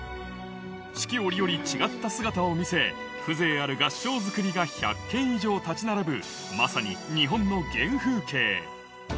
四季折々違った姿を見せ風情ある合掌造りが１００軒以上立ち並ぶ